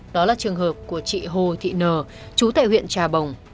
đó là trường hợp của chị hồ thị nờ trú tại huyện trà bồng